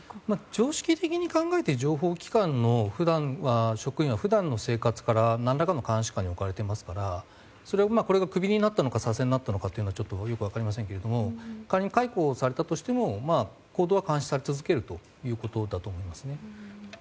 常識的に考えて情報機関の職員は普段の生活から何らかの監視下に置かれていますからこれがクビになったのか左遷になったのかはちょっとよく分かりませんが仮に解雇されたとしても行動は監視され続けるということだと思いますね。